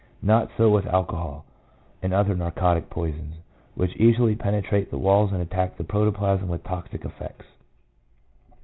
Not so with alcohol and other narcotic poisons, which easily pene trate the walls and attack the protoplasm with toxic effects.